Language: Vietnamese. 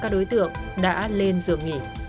các đối tượng đã lên giường nghỉ